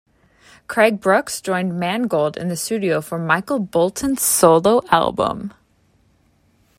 Craig Brooks joined Mangold in the studio for Michael Bolton's solo album.